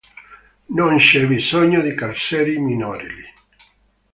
Non c'è bisogno di carceri minorili.